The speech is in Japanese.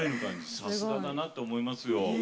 さすがだなって思いますよ。